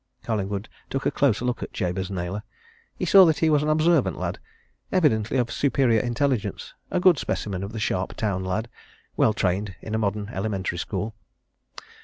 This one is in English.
Collingwood took a closer look at Jabez Naylor. He saw that he was an observant lad, evidently of superior intelligence a good specimen of the sharp town lad, well trained in a modern elementary school.